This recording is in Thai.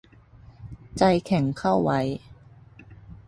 ใจแข็งเข้าไว้